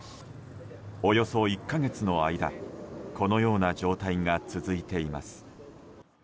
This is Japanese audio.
およそ１か月の間このような状態が続いています。